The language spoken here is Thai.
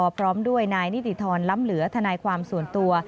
พร้อมด้วยนายนิติธรรมล้ำเหลือทนายความส่วนตัว